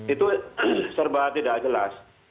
itu serba tidak jelas